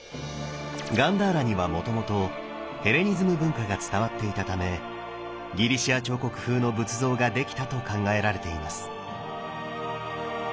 ガンダーラにはもともとヘレニズム文化が伝わっていたためギリシャ彫刻風の仏像が出来たと考えられています。